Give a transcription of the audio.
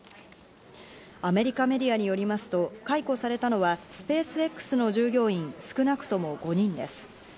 アメリカメディアによりますと解雇されたのはスペースＸの従業員、少なくとも５人です。